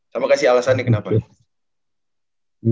sama kasih alasannya kenapa